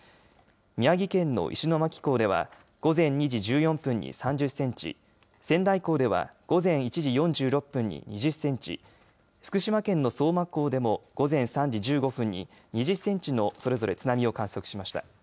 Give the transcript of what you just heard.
宮城県の石巻港では午前２時１４分に３０センチ、仙台港では午前１時４６分に２０センチ、福島県の相馬港でも午前３時１５分に２０センチのそれぞれ津波を観測しました。